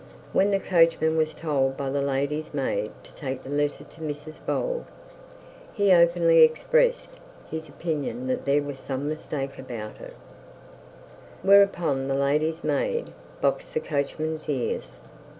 When the coachman was told by the lady's maid to take the letter to Mrs Bold, he openly expressed his opinion that there was some mistake about it. Whereupon the lady's maid boxed the coachman's ears.